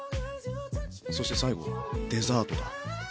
そして最後デザートだ。